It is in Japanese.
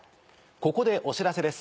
ここでお知らせです。